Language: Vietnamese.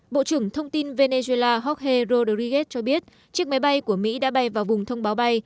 bộ trưởng thông tin venezuela jorge rodriguez cho biết chiếc máy bay của mỹ đã bay vào vùng thông báo bay